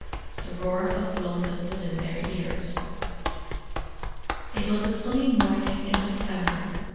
The roar of London was in their ears. It was a sunny morning in September.